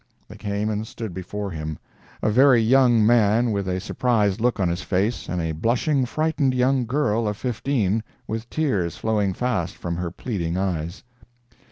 They came and stood before him—a very young man with a surprised look on his face, and a blushing, frightened young girl of fifteen, with tears flowing fast from her pleading eyes.